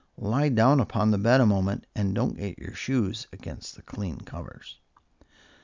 Lie down upon the bed a moment but don't get your shoes against the clean covers."